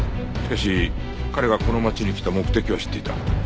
しかし彼がこの町に来た目的は知っていた。